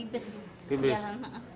terus pas ngelahirin dimana